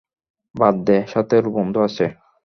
বাদ দে, সাথে ওর বন্ধু আছে।